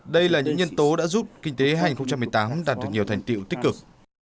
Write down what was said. đây là những nhân tố đã giúp kinh tế hai nghìn một mươi tám đạt được nhiều thành tiệu tích cực